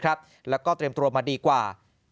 แล้วก็เตรียมตัวมาดีกว่า